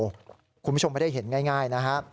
คุณผู้ชมไม่ได้เห็นง่ายนะฮะ